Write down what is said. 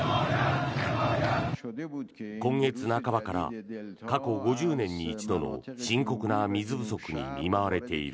今月半ばから過去５０年に一度の深刻な水不足に見舞われている。